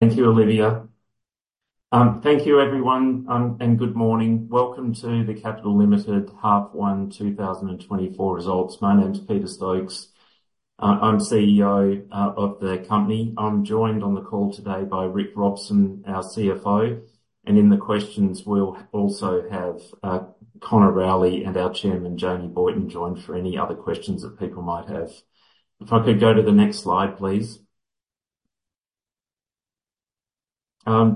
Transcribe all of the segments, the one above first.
Thank you, Olivia. Thank you everyone, and good morning. Welcome to the Capital Limited Half One 2024 results. My name is Peter Stokes. I'm CEO of the company. I'm joined on the call today by Rick Robson, our CFO, and in the questions, we'll also have Conor Rowley, and our Chairman, Jamie Boyton, join for any other questions that people might have. If I could go to the next slide, please.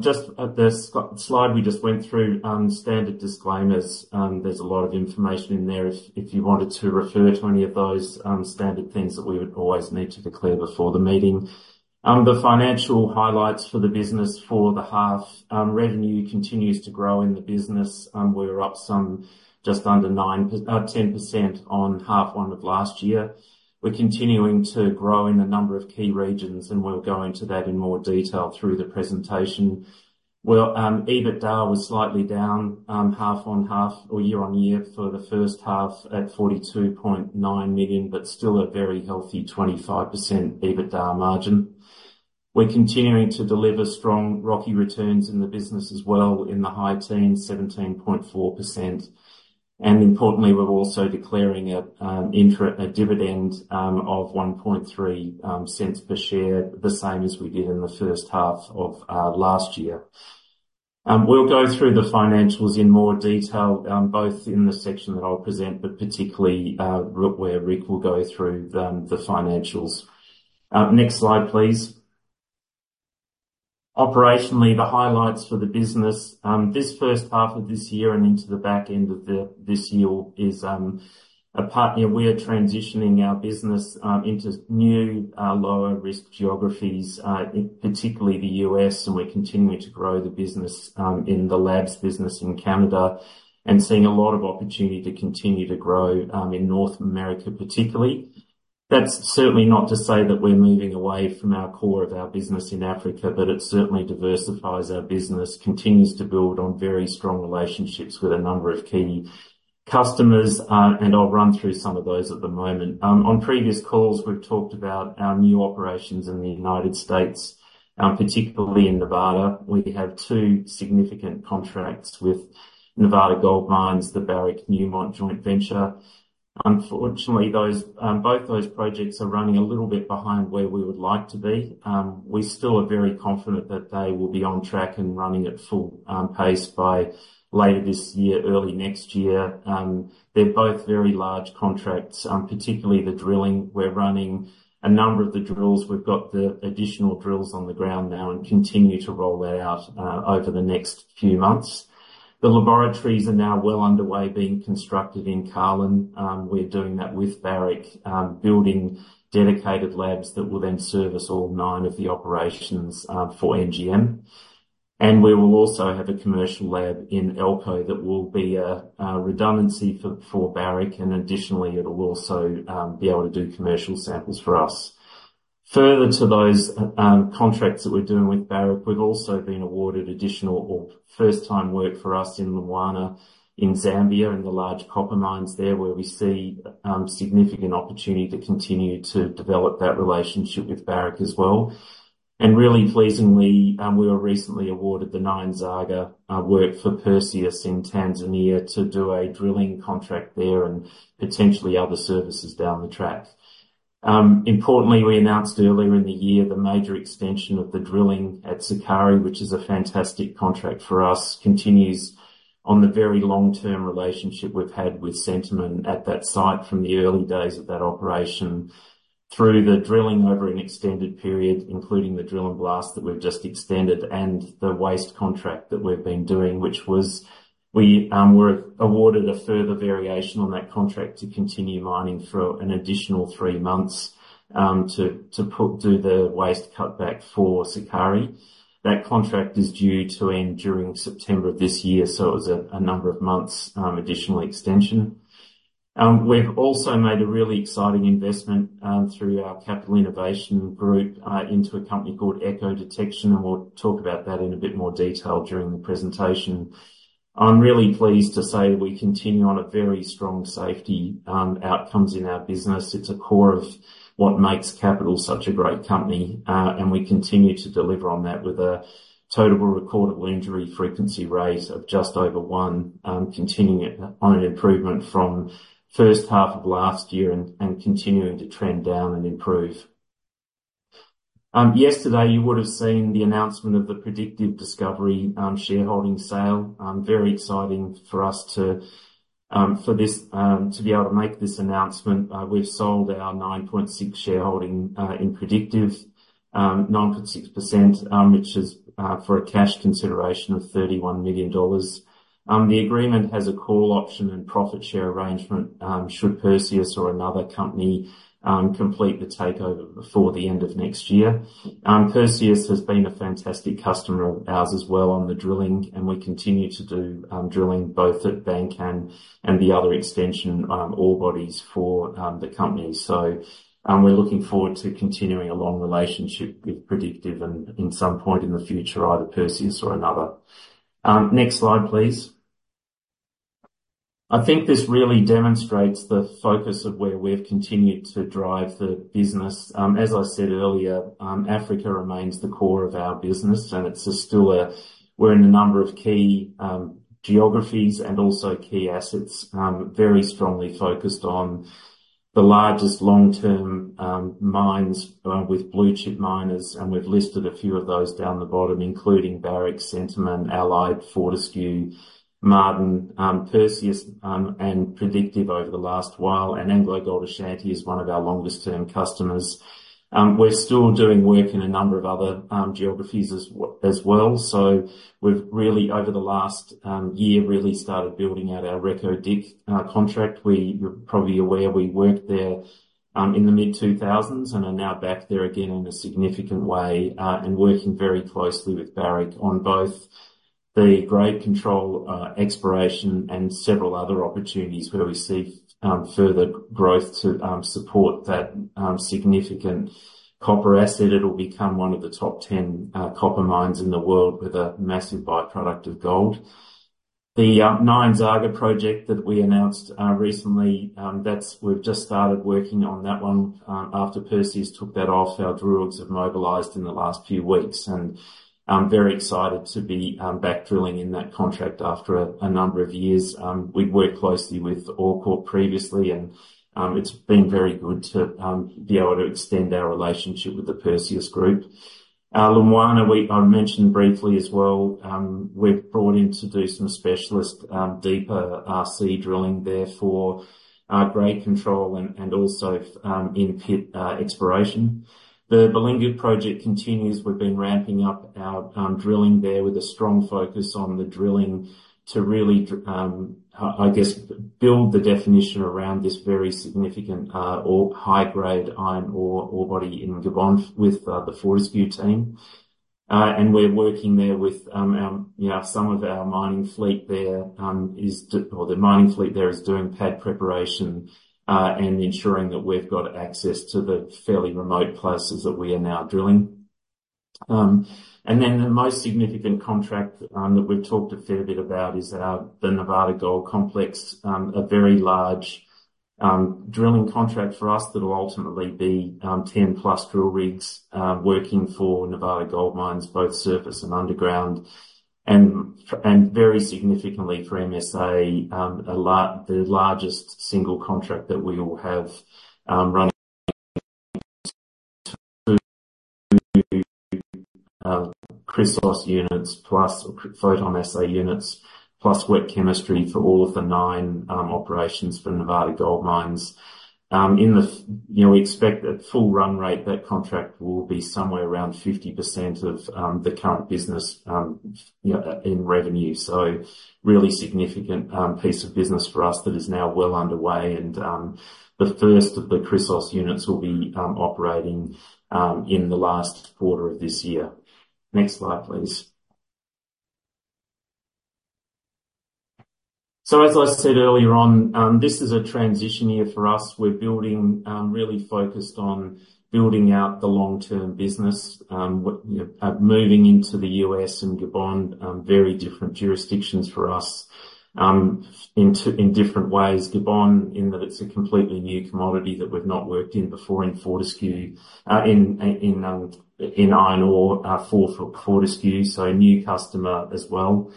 Just at the slide we just went through, standard disclaimers. There's a lot of information in there if you wanted to refer to any of those standard things that we would always need to declare before the meeting. The financial highlights for the business for the half, revenue continues to grow in the business. We're up some just under 9%-10% on H1 of last year. We're continuing to grow in a number of key regions, and we'll go into that in more detail through the presentation. EBITDA was slightly down half-on-half or year-on-year for the first half at $42.9 million, but still a very healthy 25% EBITDA margin. We're continuing to deliver strong ROCE returns in the business as well, in the high teens, 17.4%. And importantly, we're also declaring an interim dividend of $0.013 per share, the same as we did in the first half of last year. We'll go through the financials in more detail, both in the section that I'll present, but particularly where Rick will go through the financials. Next slide, please. Operationally, the highlights for the business. This first half of this year and into the back end of this year is, you know, a part we are transitioning our business into new lower-risk geographies, particularly the U.S., and we're continuing to grow the business in the labs business in Canada, and seeing a lot of opportunity to continue to grow in North America particularly. That's certainly not to say that we're moving away from our core of our business in Africa, but it certainly diversifies our business, continues to build on very strong relationships with a number of key customers, and I'll run through some of those at the moment. On previous calls, we've talked about our new operations in the United States, particularly in Nevada. We have two significant contracts with Nevada Gold Mines, the Barrick Newmont joint venture. Unfortunately, those, both those projects are running a little bit behind where we would like to be. We still are very confident that they will be on track and running at full pace by later this year, early next year. They're both very large contracts, particularly the drilling. We're running a number of the drills. We've got the additional drills on the ground now and continue to roll that out over the next few months. The laboratories are now well underway, being constructed in Carlin. We're doing that with Barrick, building dedicated labs that will then service all nine of the operations for NGM. And we will also have a commercial lab in Elko that will be a redundancy for Barrick, and additionally, it will also be able to do commercial samples for us. Further to those contracts that we're doing with Barrick, we've also been awarded additional or first-time work for us in Lumwana, in Zambia, in the large copper mines there, where we see significant opportunity to continue to develop that relationship with Barrick as well. And really pleasingly, we were recently awarded the Nyanzaga work for Perseus in Tanzania to do a drilling contract there and potentially other services down the track. Importantly, we announced earlier in the year the major extension of the drilling at Sukari, which is a fantastic contract for us, continues on the very long-term relationship we've had with Centamin at that site from the early days of that operation. Through the drilling over an extended period, including the drill and blast that we've just extended and the waste contract that we've been doing, which was... We were awarded a further variation on that contract to continue mining for an additional 3 months, to do the waste cutback for Sukari. That contract is due to end during September of this year, so it was a number of months additional extension. We've also made a really exciting investment through our Capital Innovation group into a company called Eco Detection, and we'll talk about that in a bit more detail during the presentation. I'm really pleased to say that we continue on a very strong safety outcomes in our business. It's a core of what makes Capital such a great company, and we continue to deliver on that with a total recordable injury frequency rate of just over one, continuing it on an improvement from first half of last year and continuing to trend down and improve. Yesterday, you would have seen the announcement of the Predictive Discovery shareholding sale. Very exciting for us to for this to be able to make this announcement. We've sold our 9.6 shareholding in Predictive, 9.6%, which is for a cash consideration of $31 million. The agreement has a call option and profit share arrangement should Perseus or another company complete the takeover before the end of next year. Perseus has been a fantastic customer of ours as well on the drilling, and we continue to do drilling both at Bankan and the other extension ore bodies for the company. We're looking forward to continuing a long relationship with Predictive and in some point in the future, either Perseus or another. Next slide, please.... I think this really demonstrates the focus of where we've continued to drive the business. As I said earlier, Africa remains the core of our business, and it's still a- we're in a number of key geographies and also key assets, very strongly focused on the largest long-term mines, uh, with blue chip miners. And we've listed a few of those down the bottom, including Barrick, Centamin, Allied, Fortescue, Ma'aden, Perseus, and Predictive over the last while, and AngloGold Ashanti is one of our longest term customers. We're still doing work in a number of other geographies as well. So we've really, over the last year, really started building out our Reko Diq contract. You're probably aware we worked there in the mid-2000s, and are now back there again in a significant way, and working very closely with Barrick on both the grade control, exploration and several other opportunities where we see further growth to support that significant copper asset. It'll become one of the top 10 copper mines in the world, with a massive by-product of gold. The Nyanzaga project that we announced recently, that's, we've just started working on that one. After Perseus took that off, our drill rigs have mobilized in the last few weeks, and I'm very excited to be back drilling in that contract after a number of years. We've worked closely with OreCorp previously, and it's been very good to be able to extend our relationship with the Perseus group. Lumwana, we-- I mentioned briefly as well, we've brought in to do some specialist, deeper, RC drilling there for, grade control and, and also, in-pit exploration. The Belinga project continues. We've been ramping up our, drilling there with a strong focus on the drilling to really dr- I, I guess build the definition around this very significant, ore, high-grade iron ore, ore body in Gabon with, the Fortescue team. And we're working there with, you know, some of our mining fleet there, or the mining fleet there is doing pad preparation, and ensuring that we've got access to the fairly remote places that we are now drilling. And then the most significant contract, that we've talked a fair bit about is, the Nevada Gold Mines. A very large drilling contract for us that'll ultimately be 10+ drill rigs working for Nevada Gold Mines, both surface and underground, and very significantly for MSA, the largest single contract that we will have run Chrysos units, plus PhotonAssay units, plus wet chemistry for all of the nine operations for Nevada Gold Mines. In the future, you know, we expect at full run rate, that contract will be somewhere around 50% of the current business in revenue. So really significant piece of business for us that is now well underway, and the first of the Chrysos units will be operating in the last quarter of this year. Next slide, please. So, as I said earlier on, this is a transition year for us. We're building, really focused on building out the long-term business, moving into the US and Gabon, very different jurisdictions for us, in different ways. Gabon, in that it's a completely new commodity that we've not worked in before in Fortescue, in iron ore, for Fortescue, so a new customer as well.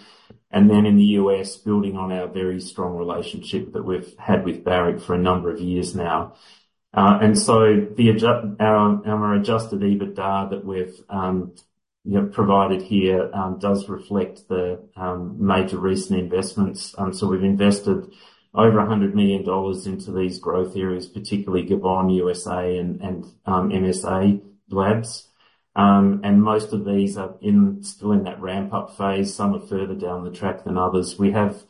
And then in the U.S., building on our very strong relationship that we've had with Barrick for a number of years now. And so our adjusted EBITDA that we've, you know, provided here, does reflect the major recent investments. So we've invested over $100 million into these growth areas, particularly Gabon, USA, and MSALABS. And most of these are in, still in that ramp-up phase, some are further down the track than others. We have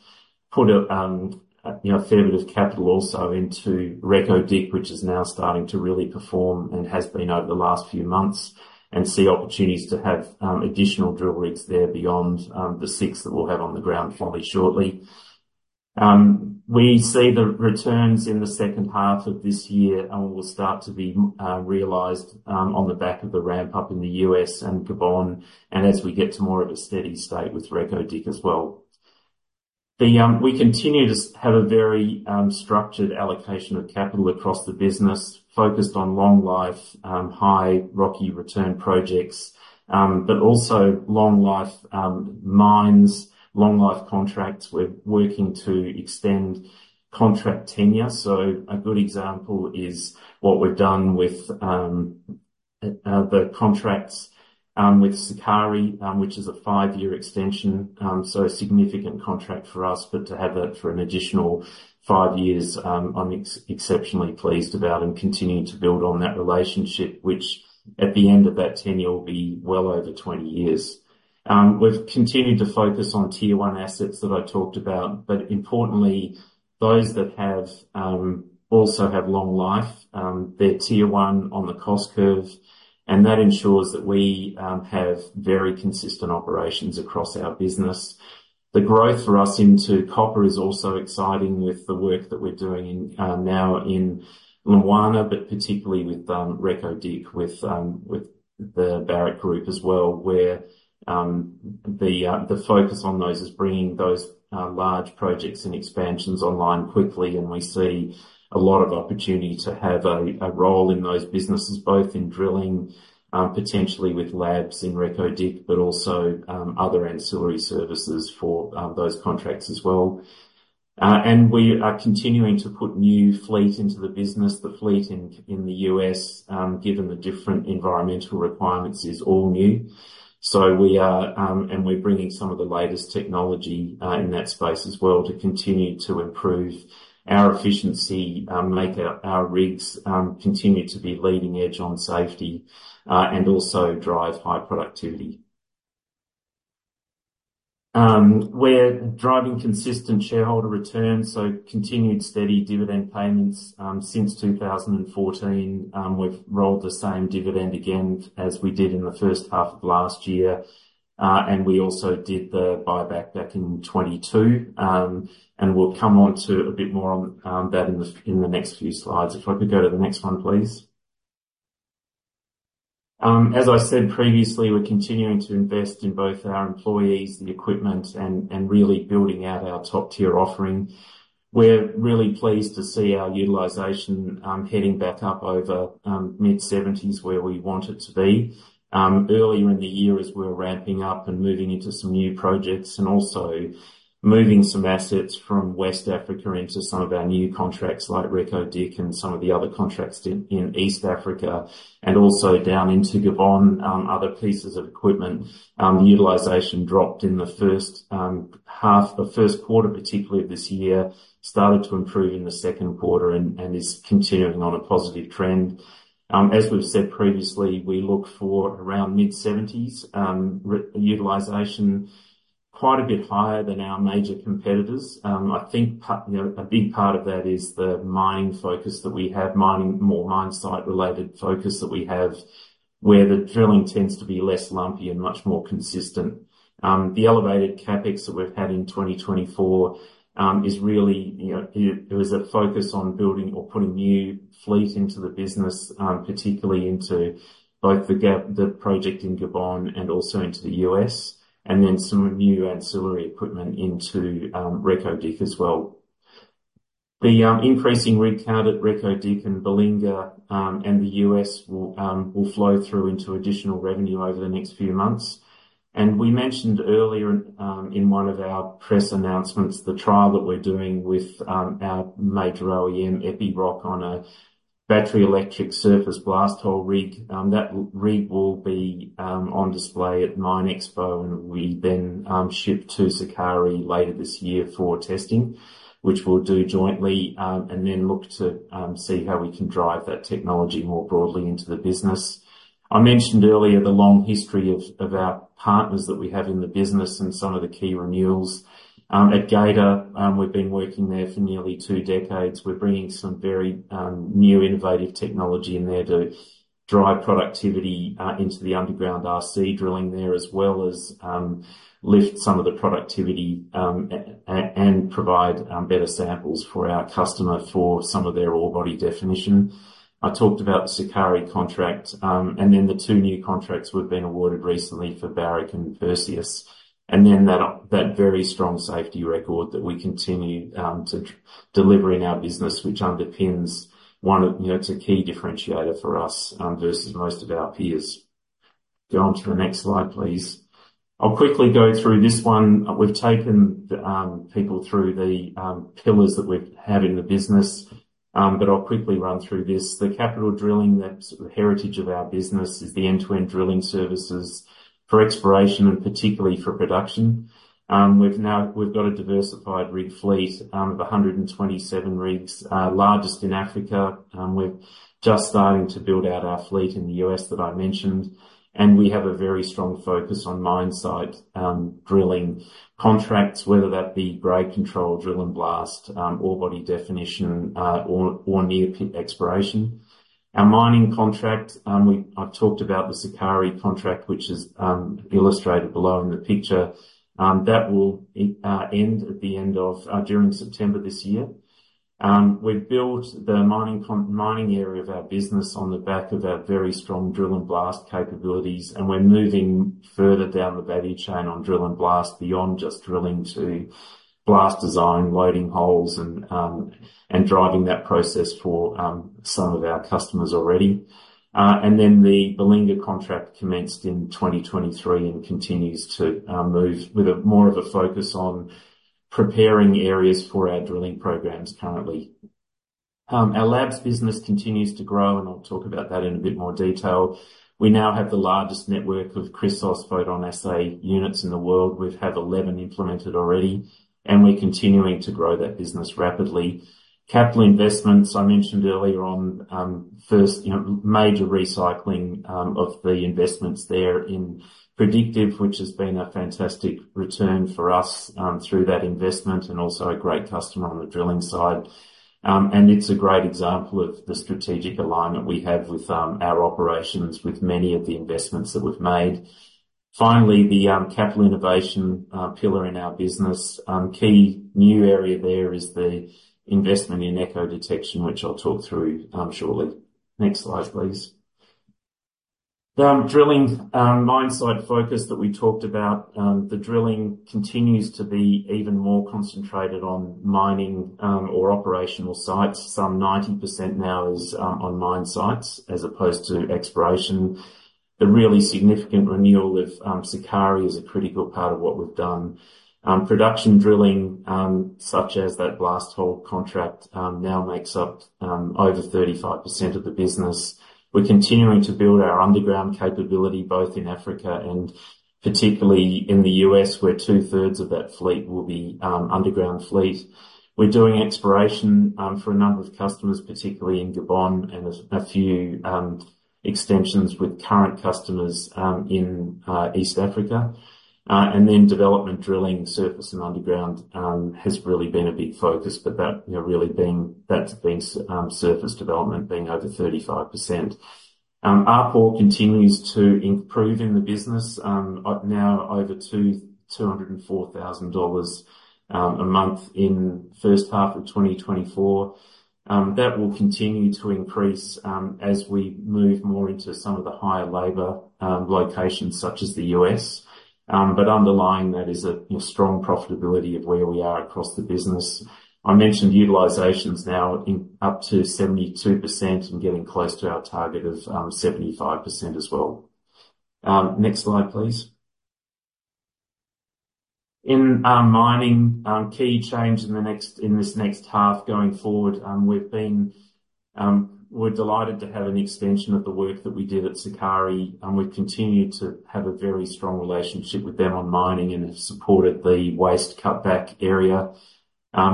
put a, you know, a fair bit of capital also into Reko Diq, which is now starting to really perform and has been over the last few months, and see opportunities to have, additional drill rigs there beyond, the 6 that we'll have on the ground fairly shortly. We see the returns in the second half of this year, and will start to be, realized, on the back of the ramp-up in the U.S. and Gabon, and as we get to more of a steady state with Reko Diq as well. We continue to have a very structured allocation of capital across the business, focused on long life, high ROCE return projects, but also long life mines, long life contracts. We're working to extend contract tenure. So a good example is what we've done with the contracts with Sukari, which is a 5-year extension. So a significant contract for us, but to have that for an additional 5 years, I'm exceptionally pleased about, and continuing to build on that relationship, which at the end of that tenure, will be well over 20 years. We've continued to focus on Tier 1 assets that I talked about, but importantly, those that have also have long life. They're Tier 1 on the cost curve, and that ensures that we have very consistent operations across our business. The growth for us into copper is also exciting with the work that we're doing in, now in Lumwana, but particularly with, Reko Diq, with, with the Barrick group as well, where, the, the focus on those is bringing those, large projects and expansions online quickly. And we see a lot of opportunity to have a, a role in those businesses, both in drilling, potentially with labs in Reko Diq, but also, other ancillary services for, those contracts as well. And we are continuing to put new fleet into the business. The fleet in, in the U.S., given the different environmental requirements, is all new. So we are, and we're bringing some of the latest technology in that space as well, to continue to improve our efficiency, make our rigs continue to be leading edge on safety, and also drive high productivity. We're driving consistent shareholder returns, so continued steady dividend payments since 2014. We've rolled the same dividend again as we did in the first half of last year. And we also did the buyback back in 2022. And we'll come on to a bit more on that in the next few slides. If I could go to the next one, please. As I said previously, we're continuing to invest in both our employees, the equipment, and really building out our top-tier offering. We're really pleased to see our utilization heading back up over mid-70s, where we want it to be. Earlier in the year, as we were ramping up and moving into some new projects, and also moving some assets from West Africa into some of our new contracts, like Reko Diq and some of the other contracts in East Africa, and also down into Gabon, other pieces of equipment, the utilization dropped in the first quarter, particularly this year, started to improve in the second quarter and is continuing on a positive trend. As we've said previously, we look for around mid-70s utilization, quite a bit higher than our major competitors. I think you know, a big part of that is the mining focus that we have, mining, more mine site-related focus that we have, where the drilling tends to be less lumpy and much more consistent. The elevated CapEx that we've had in 2024 is really, you know, it was a focus on building or putting new fleet into the business, particularly into both the project in Gabon and also into the U.S., and then some new ancillary equipment into Reko Diq as well. The increasing rig count at Reko Diq and Belinga, and the U.S. will flow through into additional revenue over the next few months. We mentioned earlier in, in one of our press announcements, the trial that we're doing with, our major OEM, Epiroc, on a battery electric surface blast hole rig. That rig will be, on display at MINExpo, and we then, ship to Sukari later this year for testing, which we'll do jointly, and then look to, see how we can drive that technology more broadly into the business. I mentioned earlier the long history of, of our partners that we have in the business and some of the key renewals. At Geita, we've been working there for nearly two decades. We're bringing some very new innovative technology in there to drive productivity into the underground RC drilling there, as well as lift some of the productivity and provide better samples for our customer for some of their ore body definition. I talked about the Sukari contract, and then the two new contracts we've been awarded recently for Barrick and Perseus, and then that very strong safety record that we continue to deliver in our business, which underpins one of-- you know, it's a key differentiator for us versus most of our peers. Go on to the next slide, please. I'll quickly go through this one. We've taken the people through the pillars that we've had in the business, but I'll quickly run through this. The Capital Drilling, the sort of heritage of our business, is the end-to-end drilling services for exploration and particularly for production. We've got a diversified rig fleet of 127 rigs, largest in Africa. We're just starting to build out our fleet in the U.S. that I mentioned, and we have a very strong focus on mine site drilling contracts, whether that be grade control, drill and blast, ore body definition, or near pit exploration. Our mining contract, I've talked about the Sukari contract, which is illustrated below in the picture. That will end at the end of September this year. We've built the construction mining area of our business on the back of our very strong drill and blast capabilities, and we're moving further down the value chain on drill and blast, beyond just drilling to blast design, loading holes and driving that process for some of our customers already. The Belinga contract commenced in 2023 and continues to move with more of a focus on preparing areas for our drilling programs currently. Our labs business continues to grow, and I'll talk about that in a bit more detail. We now have the largest network of Chrysos PhotonAssay units in the world. We've had 11 implemented already, and we're continuing to grow that business rapidly. Capital investments, I mentioned earlier on, first, you know, major recycling of the investments there in Predictive, which has been a fantastic return for us through that investment, and also a great customer on the drilling side. And it's a great example of the strategic alignment we have with our operations with many of the investments that we've made.... Finally, the Capital Innovation pillar in our business. Key new area there is the investment in Eco Detection, which I'll talk through shortly. Next slide, please. The drilling mine site focus that we talked about, the drilling continues to be even more concentrated on mining or operational sites. Some 90% now is on mine sites as opposed to exploration. The really significant renewal of Sukari is a critical part of what we've done. Production drilling, such as that blast hole contract, now makes up over 35% of the business. We're continuing to build our underground capability, both in Africa and particularly in the U.S., where two-thirds of that fleet will be underground fleet. We're doing exploration for a number of customers, particularly in Gabon, and there's a few extensions with current customers in East Africa. And then development drilling, surface and underground, has really been a big focus, but that, you know, really being- that's been surface development being over 35%. ARPU continues to improve in the business, up now over $204,000 a month in first half of 2024. That will continue to increase as we move more into some of the higher labor locations, such as the U.S. But underlying that is a, you know, strong profitability of where we are across the business. I mentioned utilizations now in up to 72% and getting close to our target of 75% as well. Next slide, please. In mining, key change in the next—in this next half going forward, we've been—we're delighted to have an extension of the work that we did at Sukari, and we've continued to have a very strong relationship with them on mining and have supported the waste cutback area.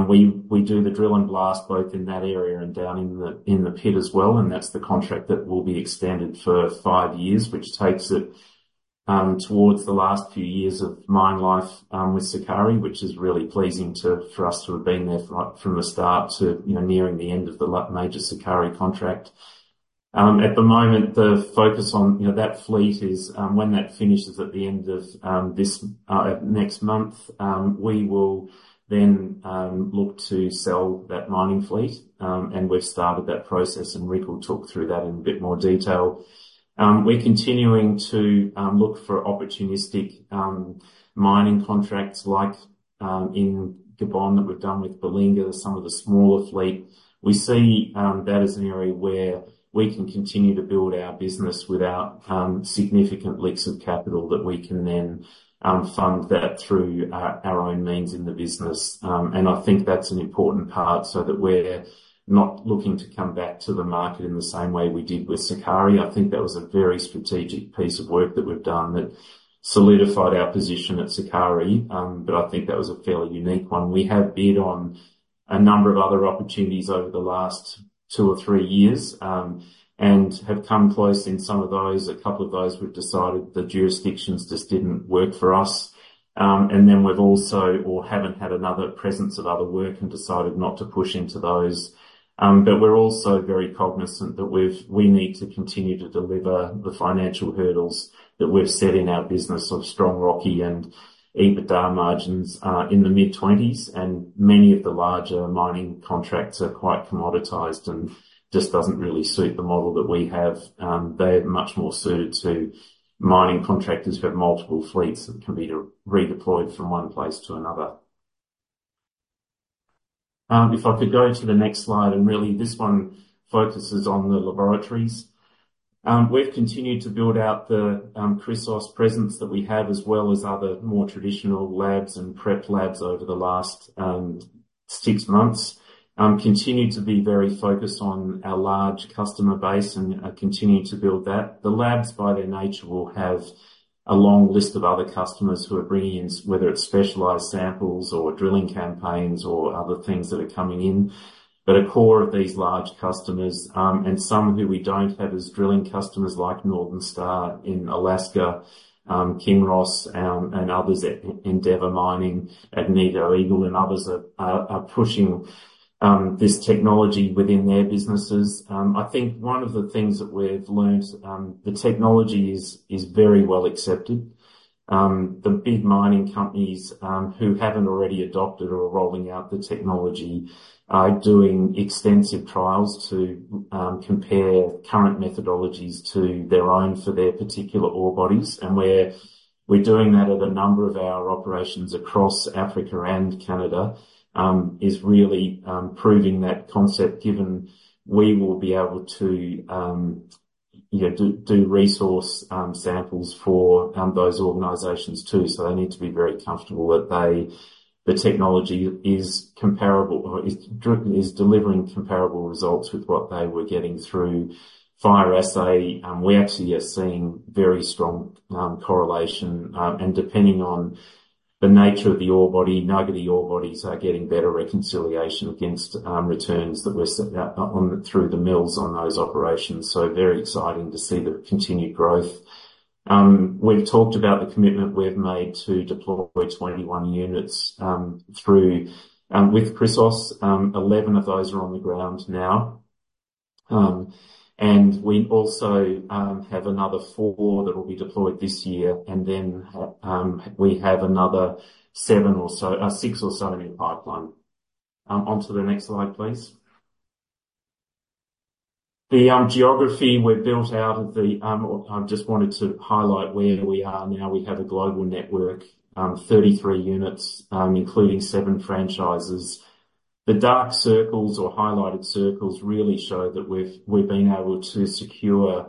We do the drill and blast both in that area and down in the pit as well, and that's the contract that will be extended for five years, which takes it towards the last few years of mine life with Sukari, which is really pleasing for us to have been there from the start to, you know, nearing the end of the major Sukari contract. At the moment, the focus on that fleet is when that finishes at the end of this next month, we will then look to sell that mining fleet. And we've started that process, and Rick will talk through that in a bit more detail. We're continuing to look for opportunistic mining contracts like in Gabon that we've done with Belinga, some of the smaller fleet. We see that as an area where we can continue to build our business without significant leaks of capital, that we can then fund that through our own means in the business. I think that's an important part, so that we're not looking to come back to the market in the same way we did with Sukari. I think that was a very strategic piece of work that we've done that solidified our position at Sukari. I think that was a fairly unique one. We have bid on a number of other opportunities over the last two or three years, and have come close in some of those. A couple of those, we've decided the jurisdictions just didn't work for us. And then we've also-- or haven't had another presence of other work and decided not to push into those. But we're also very cognizant that we've-- we need to continue to deliver the financial hurdles that we've set in our business of strong ROCE and EBITDA margins, in the mid-20s, and many of the larger mining contracts are quite commoditized and just doesn't really suit the model that we have. They're much more suited to mining contractors who have multiple fleets that can be redeployed from one place to another. If I could go to the next slide, and really, this one focuses on the laboratories. We've continued to build out the Chrysos presence that we have, as well as other more traditional labs and prep labs over the last six months. Continued to be very focused on our large customer base and continue to build that. The labs, by their nature, will have a long list of other customers who are bringing in, whether it's specialized samples or drilling campaigns or other things that are coming in. But a core of these large customers, and some who we don't have as drilling customers, like Northern Star in Alaska, Kinross, and others at Endeavour Mining and Eagle, and others are pushing this technology within their businesses. I think one of the things that we've learned, the technology is very well accepted. The big mining companies who haven't already adopted or are rolling out the technology are doing extensive trials to compare current methodologies to their own for their particular ore bodies. And we're doing that at a number of our operations across Africa and Canada is really proving that concept, given we will be able to, you know, do resource samples for those organizations too. So they need to be very comfortable that they—the technology is comparable, or is delivering comparable results with what they were getting through fire assay. We actually are seeing very strong correlation, and depending on the nature of the ore body, nuggety ore bodies are getting better reconciliation against returns that we're set out on through the mills on those operations. So very exciting to see the continued growth. We've talked about the commitment we've made to deploy 21 units through with Chrysos. Eleven of those are on the ground now.... And we also have another four that will be deployed this year, and then we have another seven or so, six or so in the pipeline. Onto the next slide, please. The geography we've built out of the I just wanted to highlight where we are now. We have a global network 33 units including seven franchises. The dark circles or highlighted circles really show that we've we've been able to secure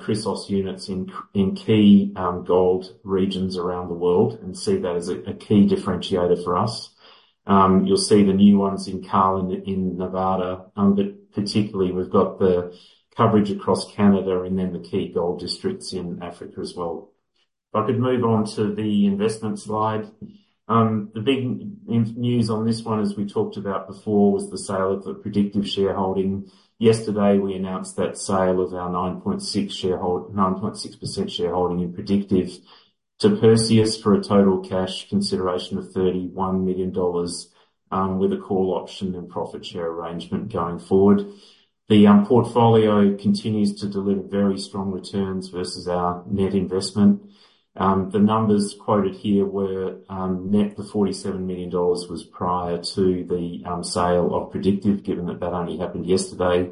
Chrysos units in k- in key gold regions around the world and see that as a a key differentiator for us. You'll see the new ones in Carlin, in Nevada, but particularly we've got the coverage across Canada, and then the key gold districts in Africa as well. If I could move on to the investment slide. The big news on this one, as we talked about before, was the sale of the Predictive shareholding. Yesterday, we announced that sale of our 9.6 percent shareholding in Predictive to Perseus for a total cash consideration of $31 million, with a call option and profit share arrangement going forward. The portfolio continues to deliver very strong returns versus our net investment. The numbers quoted here were net; the $47 million was prior to the sale of Predictive, given that that only happened yesterday.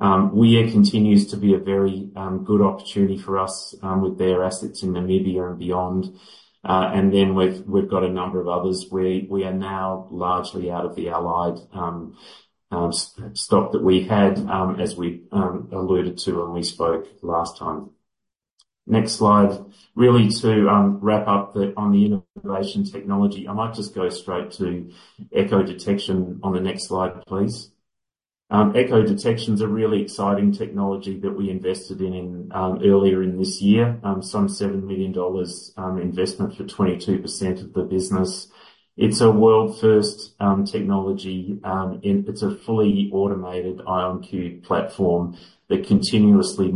Wia continues to be a very good opportunity for us with their assets in Namibia and beyond. And then we've got a number of others. We are now largely out of the Allied Gold stock that we had as we alluded to when we spoke last time. Next slide. Really to wrap up on the innovation technology, I might just go straight to Eco Detection on the next slide, please. Eco Detection is a really exciting technology that we invested in earlier this year. Some $7 million investment for 22% of the business. It's a world first technology and it's a fully automated Ion-Q platform that continuously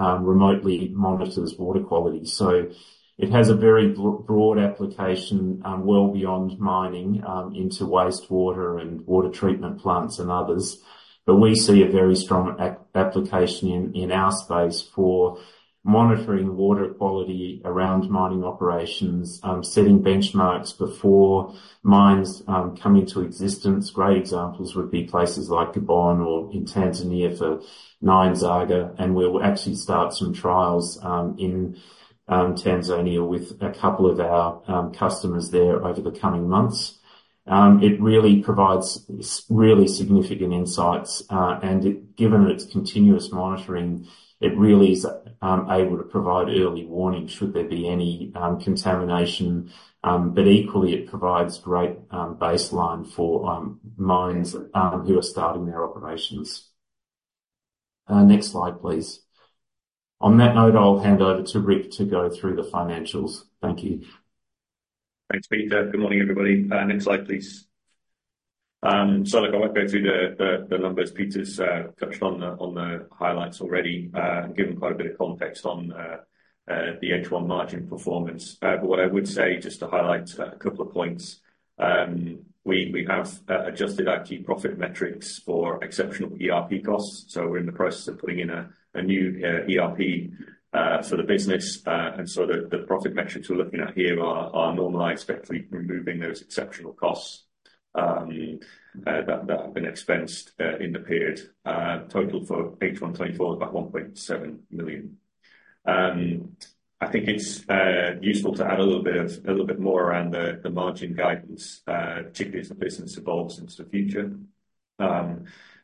remotely monitors water quality. So it has a very broad application, well beyond mining, into wastewater and water treatment plants and others. But we see a very strong application in our space for monitoring water quality around mining operations, setting benchmarks before mines come into existence. Great examples would be places like Gabon or in Tanzania for Nyanzaga, and we'll actually start some trials in Tanzania with a couple of our customers there over the coming months. It really provides really significant insights, and given that it's continuous monitoring, it really is able to provide early warning, should there be any contamination, but equally, it provides great baseline for mines who are starting their operations. Next slide, please. On that note, I'll hand over to Rick to go through the financials. Thank you. Thanks, Peter. Good morning, everybody. Next slide, please. So look, I won't go through the numbers. Peter's touched on the highlights already, and given quite a bit of context on the H1 margin performance. But what I would say, just to highlight a couple of points, we have adjusted our key profit metrics for exceptional ERP costs. So we're in the process of putting in a new ERP for the business. And so the profit metrics we're looking at here are normalized, effectively removing those exceptional costs that have been expensed in the period. Total for H1 2024, about $1.7 million. I think it's useful to add a little bit more around the margin guidance, particularly as the business evolves into the future.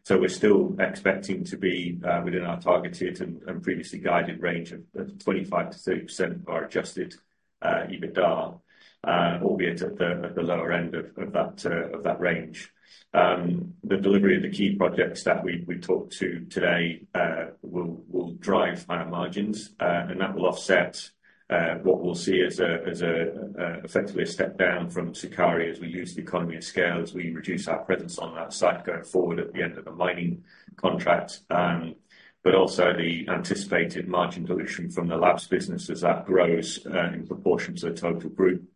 So we're still expecting to be within our targeted and previously guided range of 25%-30% of our adjusted EBITDA, albeit at the lower end of that range. The delivery of the key projects that we talked to today will drive our margins, and that will offset what we'll see as effectively a step down from Sukari as we lose the economy of scale, as we reduce our presence on that site going forward at the end of the mining contract. But also the anticipated margin dilution from the labs business as that grows in proportion to the total group.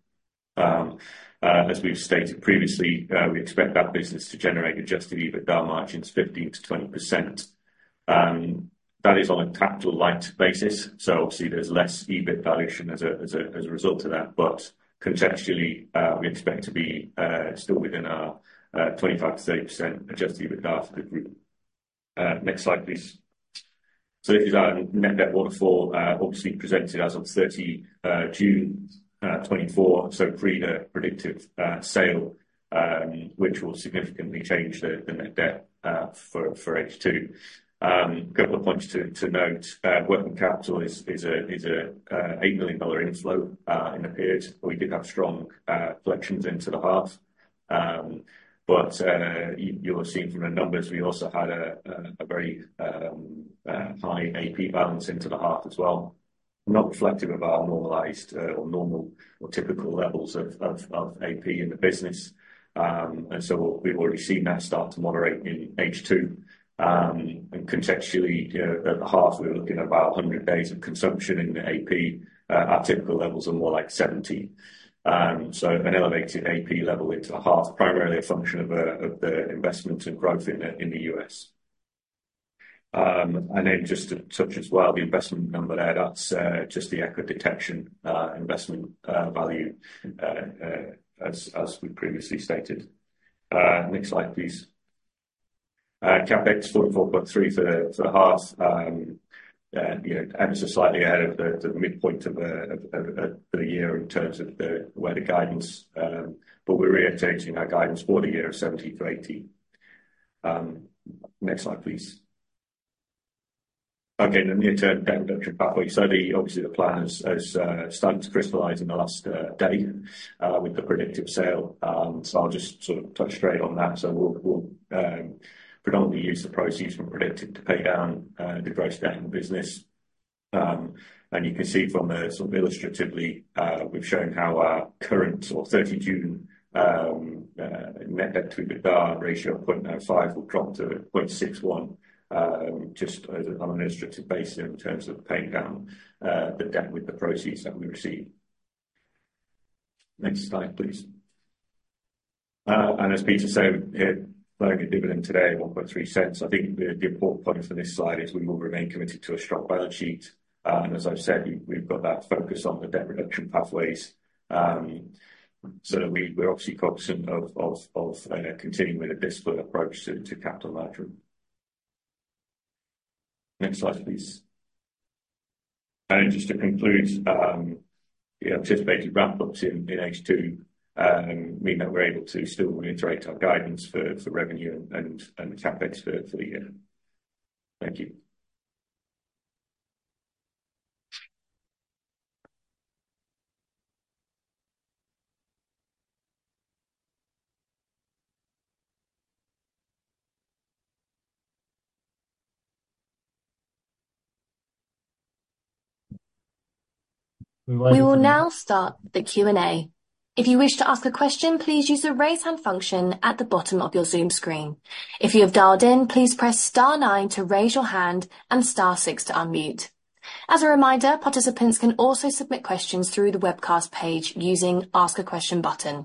As we've stated previously, we expect that business to generate adjusted EBITDA margins 15%-20%. That is on a capital light basis, so obviously there's less EBIT valuation as a result of that. But contextually, we expect to be still within our 25%-30% adjusted EBITDA for the group. Next slide, please. So this is our net debt waterfall, obviously presented as of June 30 2024, so pre the Predictive sale, which will significantly change the net debt for H2. A couple of points to note, working capital is a $8 million inflow in the period. We did have strong collections into the half. But you will have seen from the numbers, we also had a very high AP balance into the half as well. Not reflective of our normalized or normal or typical levels of AP in the business. And so we've already seen that start to moderate in H2. And contextually, at the half, we were looking at about 100 days of consumption in the AP. Our typical levels are more like 70. So an elevated AP level into the half, primarily a function of the investment and growth in the U.S. And then just to touch as well, the investment number there, that's just the Eco Detection investment value as we previously stated. Next slide, please. CapEx sort of $4.3 million for the half. You know, and it's slightly out of the midpoint of the year in terms of where the guidance, but we're reiterating our guidance for the year of $70-$80 million. Next slide, please. Okay, the near-term debt reduction pathway. So obviously, the plan has started to crystallize in the last day with the Predictive sale. So I'll just sort of touch straight on that. So we'll predominantly use the proceeds from Predictive to pay down the gross debt in the business. You can see from the sort of illustratively, we've shown how our current as at 30 June net debt to EBITDA ratio of 0.05 will drop to 0.61, just as on an illustrative basis in terms of paying down the debt with the proceeds that we receive. Next slide, please. As Peter said, paying a dividend today of $0.013. I think the important point for this slide is we will remain committed to a strong balance sheet. As I've said, we've got that focus on the debt reduction pathways. So we're obviously cognizant of continuing with a disciplined approach to capital management. Next slide, please. Just to conclude, the anticipated ramp-ups in H2 mean that we're able to still reiterate our guidance for revenue and CapEx for the year. Thank you. We will now start the Q&A. If you wish to ask a question, please use the Raise Hand function at the bottom of your Zoom screen. If you have dialed in, please press star nine to raise your hand and star six to unmute. As a reminder, participants can also submit questions through the webcast page using Ask a Question button.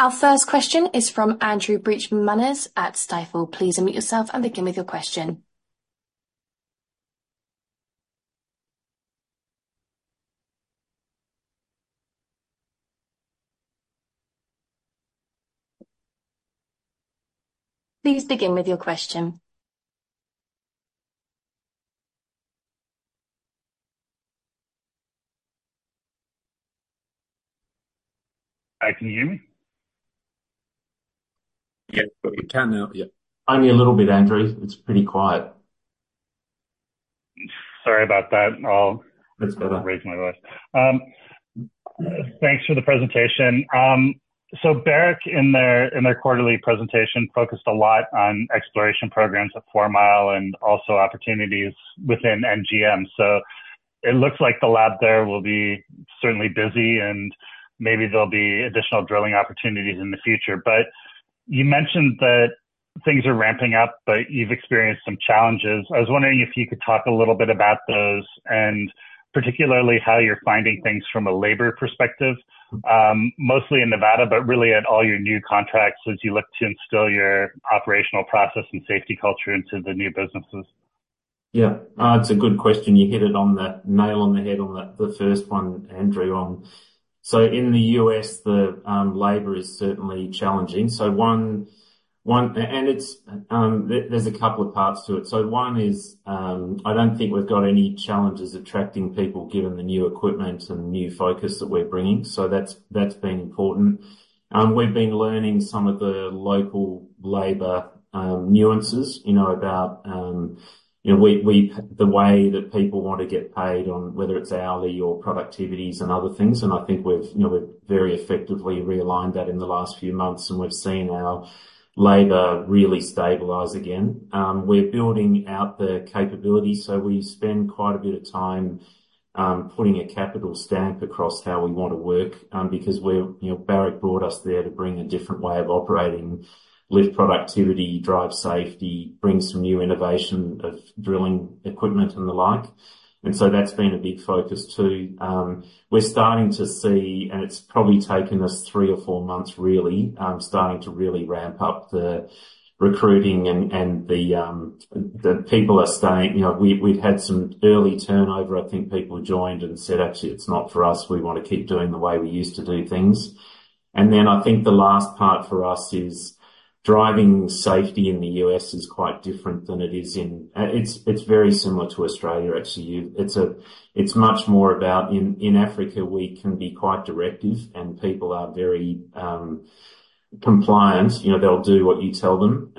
Our first question is from Andrew Breichmanas at Stifel. Please unmute yourself and begin with your question. Please begin with your question. Hi, can you hear me? Yeah, we can now. Yeah. Only a little bit, Andrew. It's pretty quiet. Sorry about that. I'll- That's better. Thanks for the presentation. So Barrick, in their, in their quarterly presentation, focused a lot on exploration programs at Fourmile and also opportunities within NGM. So it looks like the lab there will be certainly busy, and maybe there'll be additional drilling opportunities in the future. But you mentioned that things are ramping up, but you've experienced some challenges. I was wondering if you could talk a little bit about those, and particularly how you're finding things from a labor perspective, mostly in Nevada, but really at all your new contracts as you look to instill your operational process and safety culture into the new businesses. Yeah. It's a good question. You hit it on the nail on the head on the first one, Andrew, on... So in the U.S., the labor is certainly challenging. So one, and it's there, there's a couple of parts to it. So one is, I don't think we've got any challenges attracting people, given the new equipment and new focus that we're bringing, so that's, that's been important. We've been learning some of the local labor nuances, you know, about, you know, we the way that people want to get paid on whether it's hourly or productivities and other things. And I think we've, you know, we've very effectively realigned that in the last few months, and we've seen our labor really stabilize again. We're building out the capability, so we spend quite a bit of time, putting a capital stamp across how we want to work, because we're—you know, Barrick brought us there to bring a different way of operating, lift productivity, drive safety, bring some new innovation of drilling equipment and the like. And so that's been a big focus, too. We're starting to see, and it's probably taken us three or four months, really, starting to really ramp up the recruiting and, and the, the people are staying. You know, we, we've had some early turnover. I think people joined and said, "Actually, it's not for us. We want to keep doing the way we used to do things." Then I think the last part for us is driving safety in the U.S. is quite different than it is in-- it's, it's very similar to Australia, actually. You-- it's a, it's much more about, in, in Africa, we can be quite directive and people are very compliant. You know, they'll do what you tell them.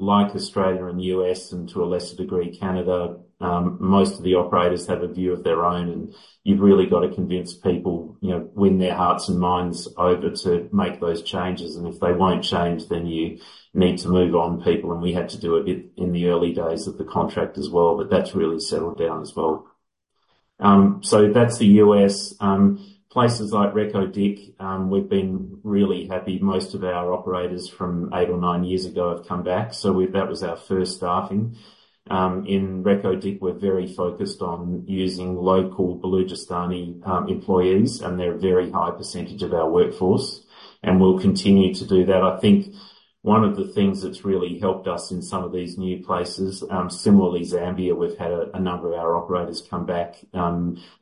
Like Australia and U.S., and to a lesser degree, Canada, most of the operators have a view of their own, and you've really got to convince people, you know, win their hearts and minds over to make those changes, and if they won't change, then you need to move on people, and we had to do a bit in the early days of the contract as well, but that's really settled down as well. So that's the U.S. Places like Reko Diq, we've been really happy. Most of our operators from eight or nine years ago have come back, so we – that was our first staffing. In Reko Diq, we're very focused on using local Balochistani employees, and they're a very high percentage of our workforce, and we'll continue to do that. I think one of the things that's really helped us in some of these new places, similarly, Zambia, we've had a number of our operators come back.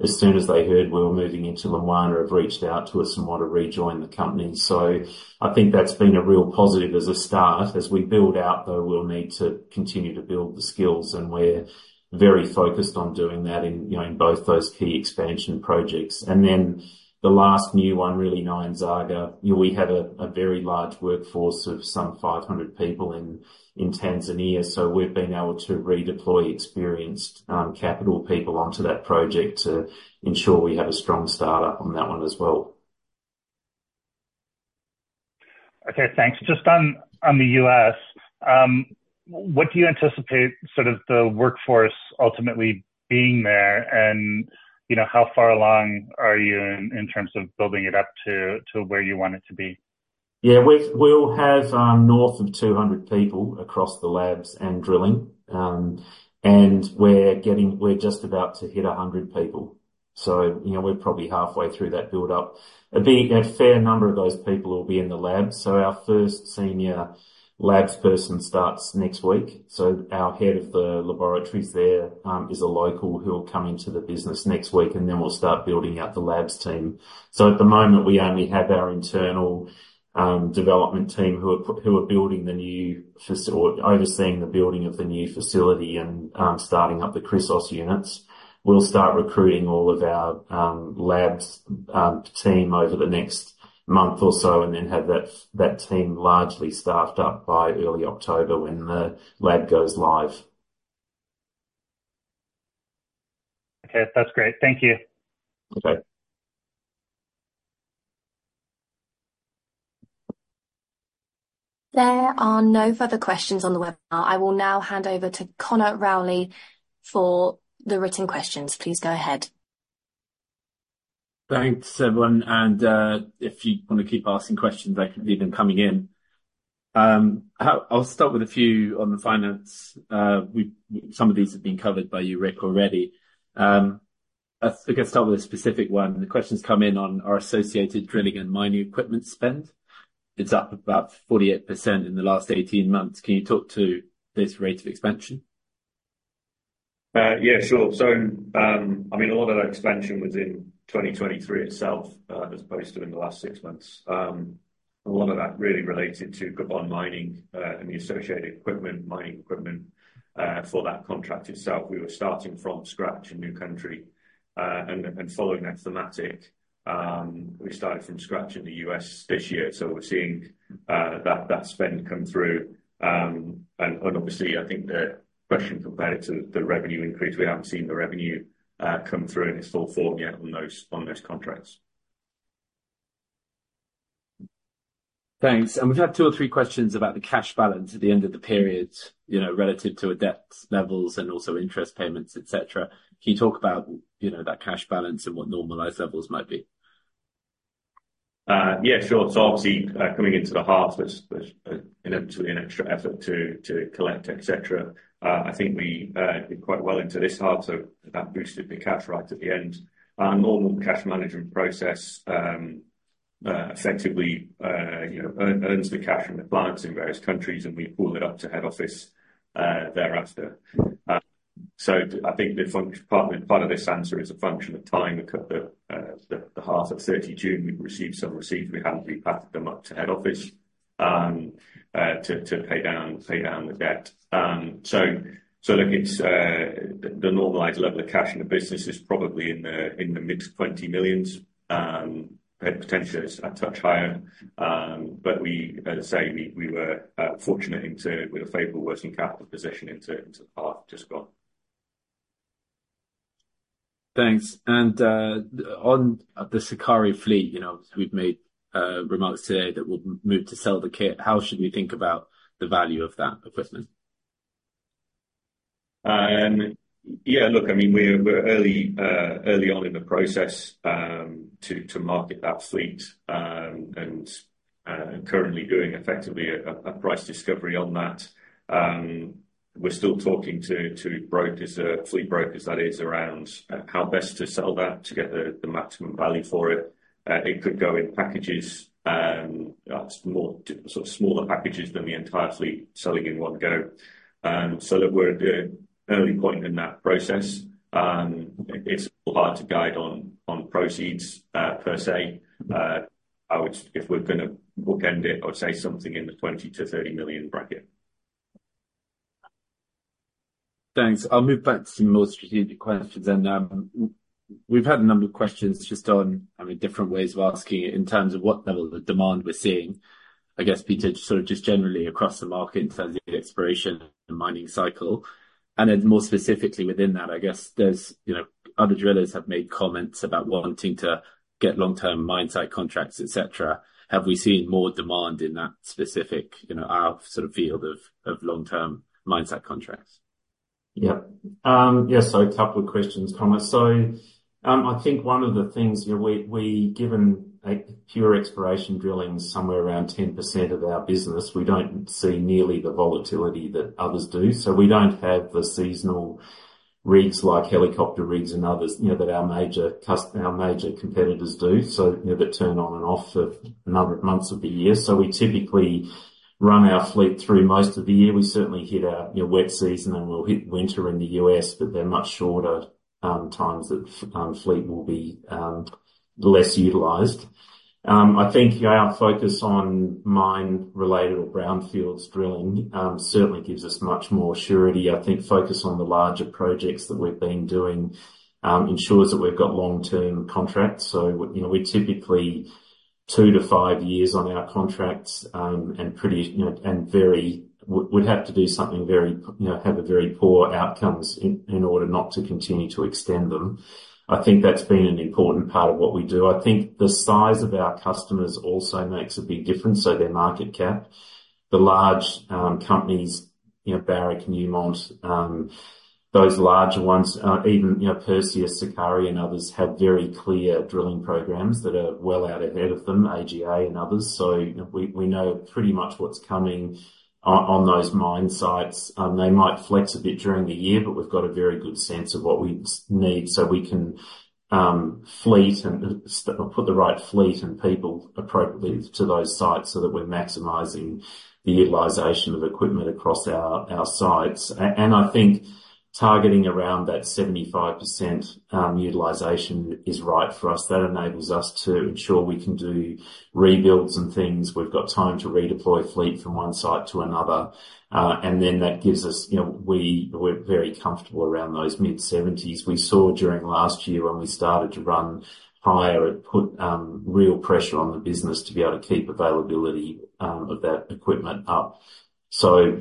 As soon as they heard we were moving into Lumwana, have reached out to us and want to rejoin the company. So I think that's been a real positive as a start. As we build out, though, we'll need to continue to build the skills, and we're very focused on doing that in, you know, in both those key expansion projects. And then the last new one, really, Nyanzaga, you know, we have a, a very large workforce of some 500 people in, in Tanzania, so we've been able to redeploy experienced, capital people onto that project to ensure we have a strong start-up on that one as well. Okay, thanks. Just on the U.S., what do you anticipate sort of the workforce ultimately being there? And, you know, how far along are you in terms of building it up to where you want it to be? Yeah, we, we'll have north of 200 people across the labs and drilling. And we're getting-- we're just about to hit 100 people. So, you know, we're probably halfway through that build-up. A big-- A fair number of those people will be in the lab, so our first senior labs person starts next week. So our head of the laboratories there is a local who will come into the business next week, and then we'll start building out the labs team. So at the moment, we only have our internal development team, who are building the new facility or overseeing the building of the new facility and starting up the Chrysos units. We'll start recruiting all of our labs team over the next month or so, and then have that team largely staffed up by early October when the lab goes live. Okay. That's great. Thank you. Okay. There are no further questions on the webinar. I will now hand over to Conor Rowley for the written questions. Please go ahead. Thanks, everyone, and if you want to keep asking questions, I can leave them coming in. I'll start with a few on the finance. Some of these have been covered by you, Rick, already. I guess I'll start with a specific one. The questions come in on our associated drilling and mining equipment spend. It's up about 48% in the last 18 months. Can you talk to this rate of expansion? Yeah, sure. So, I mean, a lot of that expansion was in 2023 itself, as opposed to in the last six months. A lot of that really related to Gabon mining, and the associated equipment, mining equipment, for that contract itself. We were starting from scratch in a new country. And following that thematic, we started from scratch in the U.S. this year, so we're seeing that spend come through. And obviously, I think the question compared to the revenue increase, we haven't seen the revenue come through in its full form yet on those contracts. Thanks. We've had two or three questions about the cash balance at the end of the period, you know, relative to our debt levels and also interest payments, et cetera. Can you talk about, you know, that cash balance and what normalized levels might be? Yeah, sure. So obviously, coming into the half, there's inevitably an extra effort to collect, et cetera. I think we did quite well into this half, so that boosted the cash right at the end. Our normal cash management process effectively, you know, earns the cash from the balance in various countries, and we pull it up to head office thereafter. So I think part of this answer is a function of time. The half of June 30, we'd received some receipts, we haven't really passed them up to head office to pay down the debt. So look, it's the normalized level of cash in the business is probably in the mid-$20 millions. Potentially it's a touch higher. But we, as I say, were fortunate into with a favorable working capital position into the half just gone. Thanks. On the Sukari fleet, you know, we've made remarks today that we'll move to sell the kit. How should we think about the value of that equipment? Yeah, look, I mean, we're early on in the process to market that fleet. And currently doing effectively a price discovery on that. We're still talking to brokers, fleet brokers that is, around how best to sell that to get the maximum value for it. It could go in packages, more sort of smaller packages than the entire fleet selling in one go. So look, we're at the early point in that process, it's hard to guide on proceeds per se. I would. If we're gonna bookend it, I would say something in the $20 million-$30 million bracket. Thanks. I'll move back to some more strategic questions then. We've had a number of questions just on, I mean, different ways of asking it, in terms of what level of demand we're seeing. I guess, Peter, sort of just generally across the market in terms of the exploration and mining cycle. And then more specifically within that, I guess there's, you know, other drillers have made comments about wanting to get long-term mine site contracts, et cetera. Have we seen more demand in that specific, you know, our sort of field of long-term mine site contracts? Yep. Yeah, so a couple of questions, Thomas. So, I think one of the things, you know, we've given pure exploration drilling somewhere around 10% of our business, we don't see nearly the volatility that others do. So we don't have the seasonal rigs, like helicopter rigs and others, you know, that our major competitors do, so, you know, that turn on and off for a number of months of the year. So we typically run our fleet through most of the year. We certainly hit our, you know, wet season, and we'll hit winter in the U.S., but they're much shorter times that fleet will be less utilized. I think, yeah, our focus on mine-related or brownfields drilling certainly gives us much more surety. I think focus on the larger projects that we've been doing ensures that we've got long-term contracts. So, you know, we're typically 2 to 5 years on our contracts, and pretty, you know, and very, we'd have to do something very, you know, have a very poor outcomes in order not to continue to extend them. I think that's been an important part of what we do. I think the size of our customers also makes a big difference, so their market cap. The large companies, you know, Barrick, Newmont, those larger ones, even, you know, Perseus, Sukari, and others, have very clear drilling programs that are well out ahead of them, AGA and others. So we know pretty much what's coming on those mine sites. They might flex a bit during the year, but we've got a very good sense of what we need, so we can fleet and put the right fleet and people appropriately to those sites so that we're maximizing the utilization of equipment across our sites. And I think targeting around that 75% utilization is right for us. That enables us to ensure we can do rebuilds and things. We've got time to redeploy fleet from one site to another, and then that gives us—you know, we, we're very comfortable around those mid-70s. We saw during last year when we started to run higher, it put real pressure on the business to be able to keep availability of that equipment up. So,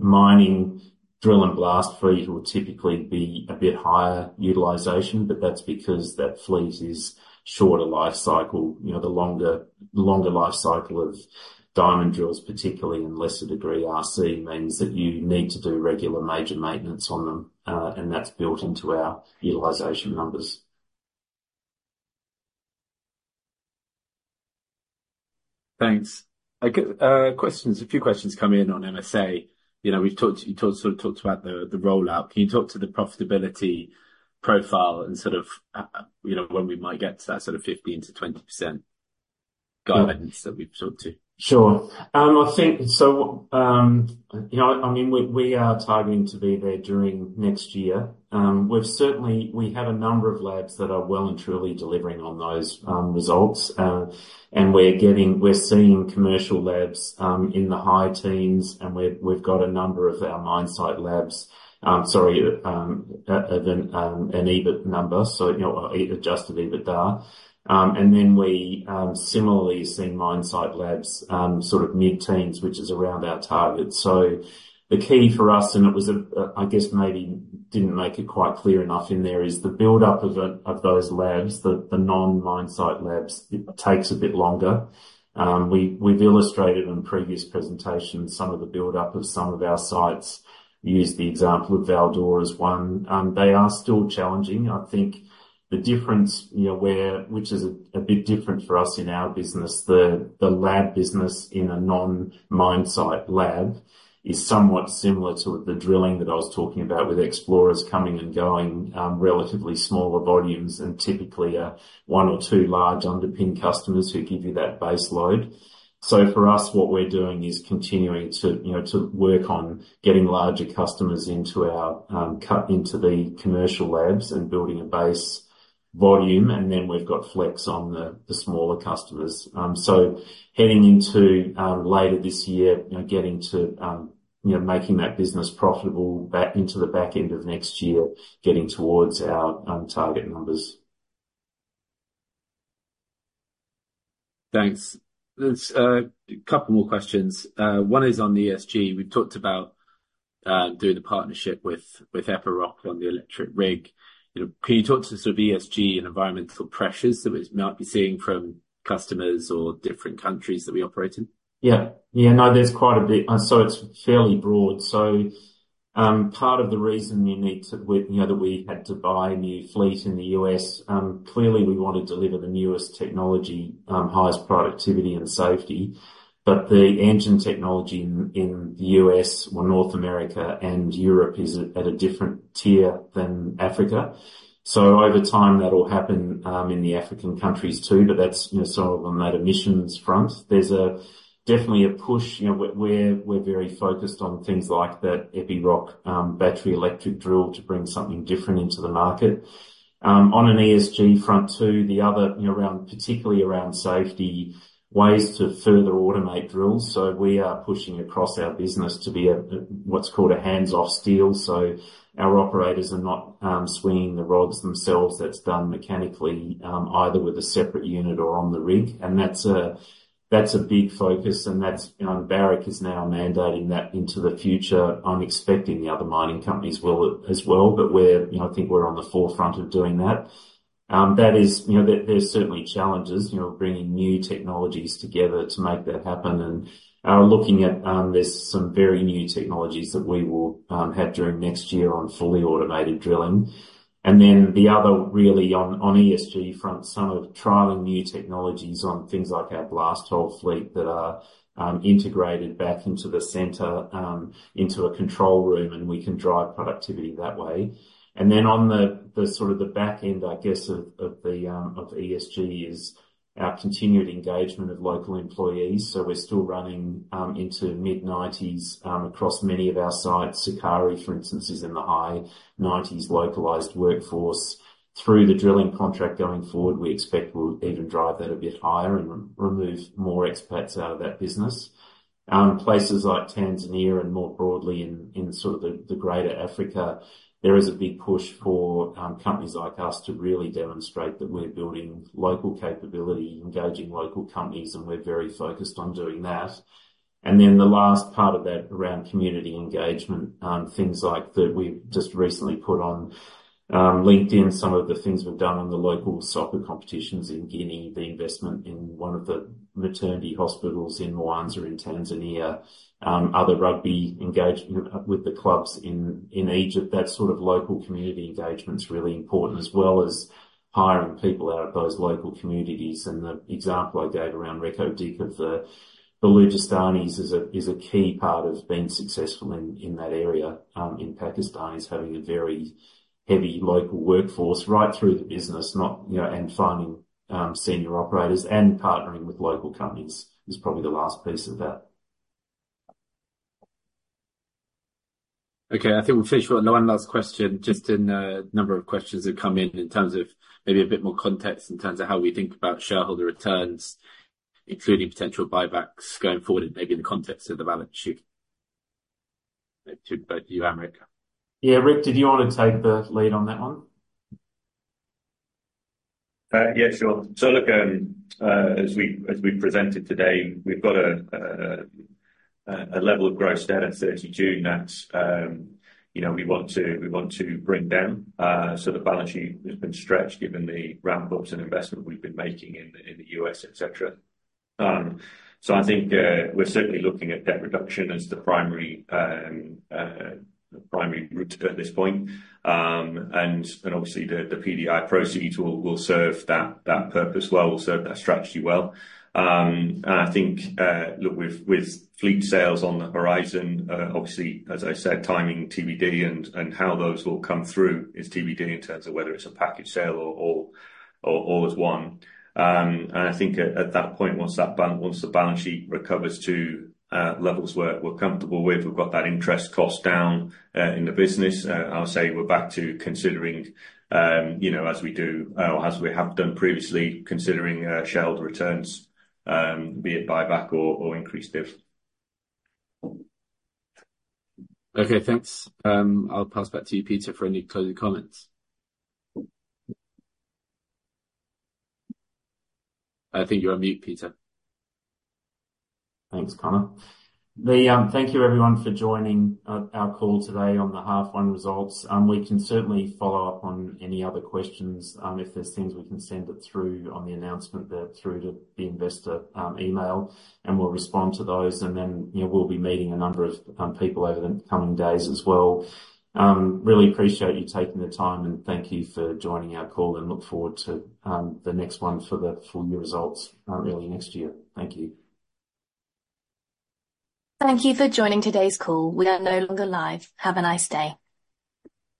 mining drill and blast fleet will typically be a bit higher utilization, but that's because that fleet is shorter life cycle. You know, the longer life cycle of diamond drills, particularly in lesser degree RC, means that you need to do regular major maintenance on them, and that's built into our utilization numbers. Thanks. A few questions come in on MSA. You know, we've talked, you talked, sort of, talked about the rollout. Can you talk to the profitability profile and sort of, you know, when we might get to that sort of 15%-20% guidance that we've talked to? Sure. I think—so, you know, I mean, we are targeting to be there during next year. We've certainly—we have a number of labs that are well and truly delivering on those results, and we're getting—we're seeing commercial labs in the high teens, and we've got a number of our mine site labs, sorry, an EBIT number, so, you know, EBIT, adjusted EBITDA. And then we similarly seeing mine site labs sort of mid-teens, which is around our target. So the key for us, and it was, I guess maybe didn't make it quite clear enough in there, is the buildup of those labs, the non-mine site labs, it takes a bit longer. We've illustrated in previous presentations some of the buildup of some of our sites, used the example of Val-d'Or as one. They are still challenging. I think the difference, you know, which is a bit different for us in our business, the lab business in a non-mine site lab is somewhat similar to the drilling that I was talking about, with explorers coming and going, relatively smaller volumes, and typically one or two large underpin customers who give you that base load. So for us, what we're doing is continuing to, you know, to work on getting larger customers into our commercial labs and building a base volume, and then we've got flex on the smaller customers. So heading into later this year, you know, getting to... You know, making that business profitable back into the back end of next year, getting towards our target numbers. Thanks. There's a couple more questions. One is on the ESG. We've talked about doing the partnership with Epiroc on the electric rig. You know, can you talk to sort of ESG and environmental pressures that we might be seeing from customers or different countries that we operate in? Yeah. Yeah, no, there's quite a bit, so it's fairly broad. So, part of the reason we need to, you know, that we had to buy new fleet in the U.S., clearly we want to deliver the newest technology, highest productivity and safety, but the engine technology in, in the U.S., or North America, and Europe is at a different tier than Africa. So over time, that'll happen, in the African countries, too, but that's, you know, sort of on that emissions front. There's, definitely a push, you know, we're very focused on things like that Epiroc, battery electric drill to bring something different into the market. On an ESG front, too, the other, you know, around, particularly around safety, ways to further automate drills, so we are pushing across our business to be a, what's called a hands-off steel, so our operators are not swinging the rods themselves. That's done mechanically, either with a separate unit or on the rig, and that's a, that's a big focus and that's, you know, Barrick is now mandating that into the future. I'm expecting the other mining companies will as well, but we're, you know, I think we're on the forefront of doing that. That is, you know, there, there's certainly challenges, you know, bringing new technologies together to make that happen, and looking at, there's some very new technologies that we will have during next year on fully automated drilling. And then the other, really, on, on ESG front, some of trialing new technologies on things like our blast hole fleet that are integrated back into the center, into a control room, and we can drive productivity that way. And then on the, the sort of the back end, I guess, of, of the, of ESG is our continued engagement of local employees. So we're still running into mid-90s across many of our sites. Sukari, for instance, is in the high 90s localized workforce. Through the drilling contract going forward, we expect we'll even drive that a bit higher and re-remove more expats out of that business. Places like Tanzania and more broadly in sort of the greater Africa, there is a big push for companies like us to really demonstrate that we're building local capability, engaging local companies, and we're very focused on doing that. And then the last part of that around community engagement, things like that we've just recently put on LinkedIn, some of the things we've done on the local soccer competitions in Guinea, the investment in one of the maternity hospitals in Mwanza, in Tanzania, other rugby engagement with the clubs in Egypt. That sort of local community engagement is really important, as well as hiring people out of those local communities. The example I gave around Reko Diq of the Balochistanis is a key part of being successful in that area in Pakistan: having a very heavy local workforce right through the business, you know, and finding senior operators and partnering with local companies is probably the last piece of that. Okay, I think we'll finish with one last question, just in a number of questions that come in, in terms of maybe a bit more context, in terms of how we think about shareholder returns, including potential buybacks going forward, and maybe in the context of the balance sheet. To both you and Rick. Yeah, Rick, did you want to take the lead on that one? Yeah, sure. So look, as we presented today, we've got a level of gross debt at June 30 that, you know, we want to bring down. So the balance sheet has been stretched given the ramp-ups and investment we've been making in the U.S., et cetera. So I think, we're certainly looking at debt reduction as the primary route at this point. And obviously, the PDI proceeds will serve that purpose well, will serve that strategy well. And I think, look, with fleet sales on the horizon, obviously, as I said, timing TBD, and how those will come through is TBD in terms of whether it's a package sale or all as one. And I think at that point, once the balance sheet recovers to levels we're comfortable with, we've got that interest cost down in the business. I'll say we're back to considering, you know, as we do or as we have done previously, considering shareholder returns, be it buyback or increased div. Okay, thanks. I'll pass back to you, Peter, for any closing comments. I think you're on mute, Peter. Thanks, Conor. Thank you, everyone, for joining our call today on the half one results. We can certainly follow up on any other questions. If there's things, we can send it through on the announcement there through the investor email, and we'll respond to those, and then, you know, we'll be meeting a number of people over the coming days as well. Really appreciate you taking the time, and thank you for joining our call, and look forward to the next one for the full year results early next year. Thank you. Thank you for joining today's call. We are no longer live. Have a nice day.